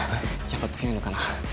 やっぱり強いのかな？